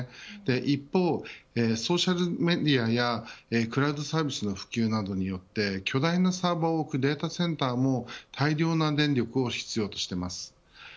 一方、ソーシャルメディアやクラウドサービスの普及などによって多大なサーバーを置くデータセンターも大量の電力を必要としています。